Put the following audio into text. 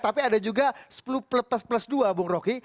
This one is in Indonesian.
tapi ada juga sepuluh plus plus dua bung roky